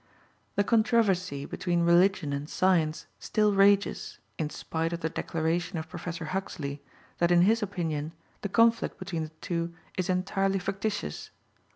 The controversy between Religion and Science still rages, in spite of the declaration of Professor Huxley that in his opinion the conflict between the two is entirely factitious.